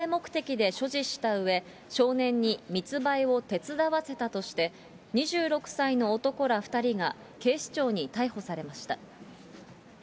神奈川県横浜市のマンションで大麻を販売目的で所持したうえ、少年に密売を手伝わせたとして２６歳の男ら２人が警視庁に逮捕されました。